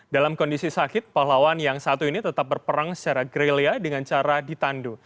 dalam kondisi sakit pahlawan yang satu ini tetap berperang secara grilya dengan cara ditandu